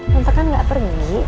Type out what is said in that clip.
tante kan gak pergi